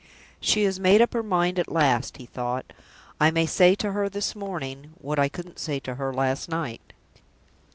"She has made up her mind at last," he thought. "I may say to her this morning what I couldn't say to her last night."